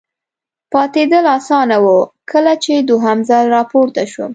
پاتېدل اسانه و، کله چې دوهم ځل را پورته شوم.